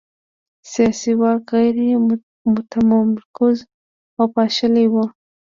سیاسي واک غیر متمرکز او پاشلی و.